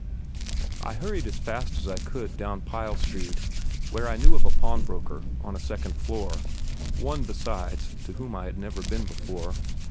I hurried as fast as I could down Pyle Street, where I knew of a pawnbroker on a second floor (one, besides, to whom I had never been before).